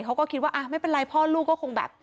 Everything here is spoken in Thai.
เขาก็คิดว่าไม่เป็นไรพ่อลูกก็คงแบบ